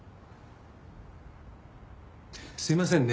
すいませんね